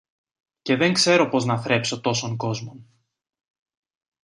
Και δεν ξέρω πώς να θρέψω τόσον κόσμον!